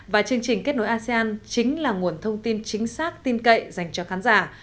và chương trình kết nối asean chính là nguồn thông tin chính xác tin cậy dành cho khán giả